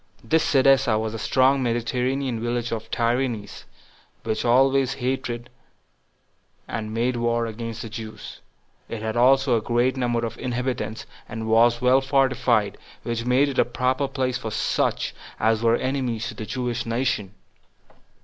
This Cydessa was a strong Mediterranean village of the Tyrians, which always hated and made war against the Jews; it had also a great number of inhabitants, and was well fortified, which made it a proper place for such as were enemies to the Jewish nation.